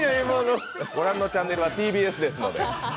ご覧のチャンネルはＴＢＳですので。